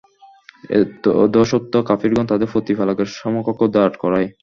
এতদসত্ত্বেও কাফিরগণ তাদের প্রতিপালকের সমকক্ষ দাঁড় করায়।